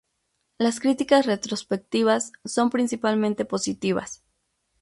Las críticas retrospectivas son principalmente positivas.